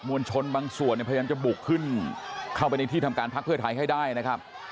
วลชนบางส่วนเนี่ยพยายามจะบุกขึ้นเข้าไปในที่ทำการพักเพื่อไทยให้ได้นะครับ